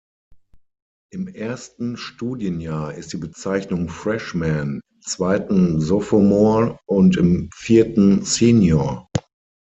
Im ersten Studienjahr ist die Bezeichnung Freshman, im zweiten Sophomore und im vierten Senior.